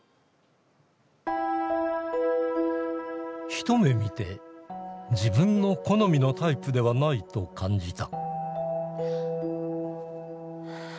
一目見て「自分の好みのタイプではない」と感じた。